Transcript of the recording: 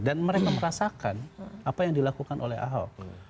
dan mereka merasakan apa yang dilakukan oleh ahok